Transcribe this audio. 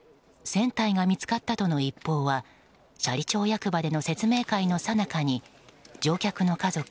船体が見つかったとの一報は斜里町役場での説明会のさなかに乗客の家族